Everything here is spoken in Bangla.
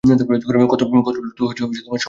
কত দ্রুত সময় চলে যায়।